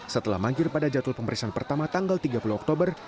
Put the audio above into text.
setelah mangkir pada jadwal pemeriksaan pertama tanggal tiga puluh oktober